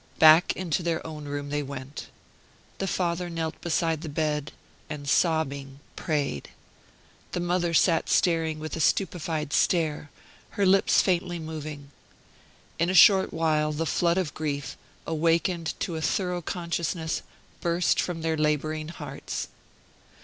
Back into their own room they went. The father knelt beside the bed, and, sobbing, prayed. The mother sat staring with a stupefied stare, her lips faintly moving. In a short while the flood of grief, awakened to a thorough consciousness, burst from their laboring hearts.